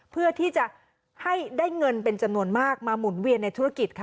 เพื่อที่จะให้ได้เงินเป็นจำนวนมากมาหมุนเวียนในธุรกิจค่ะ